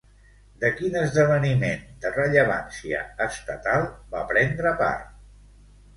De quin esdeveniment de rellevància estatal va prendre part?